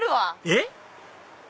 えっ？